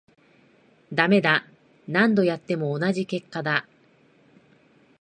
ダメだ、何度やっても同じ結果だ